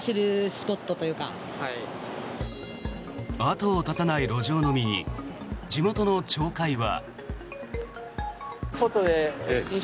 後を絶たない路上飲みに地元の町会は。